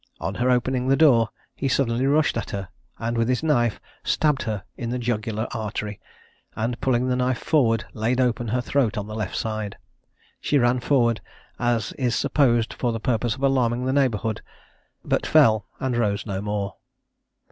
On her opening the door, he suddenly rushed at her, and with his knife stabbed her in the jugular artery, and, pulling the knife forward, laid open her throat on the left side. She ran forward, as is supposed for the purpose of alarming the neighbourhood, but fell, and rose no more.